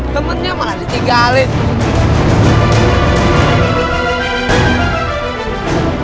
temennya malah ditinggalin